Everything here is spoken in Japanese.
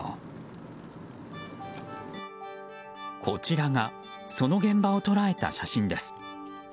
こちらがその現場を捉えた写真です。